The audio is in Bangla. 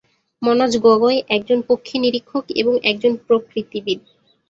মনোজ গগৈ একজন পক্ষী নিরীক্ষক এবং একজন প্রকৃতিবিদ।